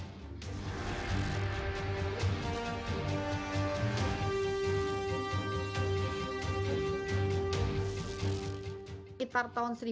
pembuatan korban di indonesia